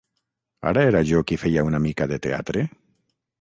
Ara era jo qui feia una mica de teatre?